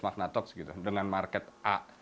magna talks gitu dengan market a